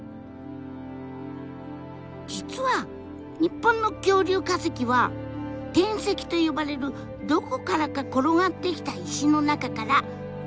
実は日本の恐竜化石は転石と呼ばれるどこからか転がってきた石の中から見つかることがほとんど。